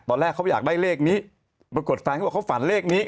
ตอนแรกเขาอยากได้เลขนี้ปรากฏแฟนเขาบอกเขาฝันเลขนี้